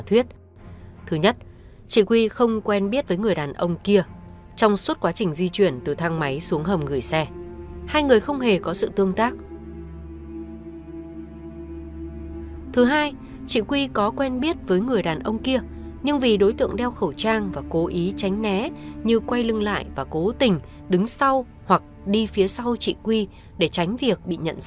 thứ hai chị quy không quen biết với người đàn ông kia trong suốt quá trình di chuyển từ thang máy xuống hầm người xe hai người không hề có sự tương tác